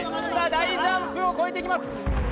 大ジャンプを越えていきます。